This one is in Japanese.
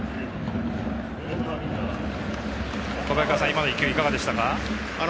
今の１球、いかがでしたか？